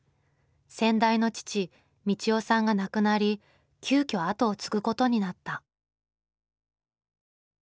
先代の父・迪夫さんが亡くなり急きょ後を継ぐことになった。